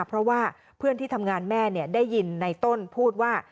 เพราะว่าเพื่อนที่ทำงานแม่ได้ยินในต้นพูดว่า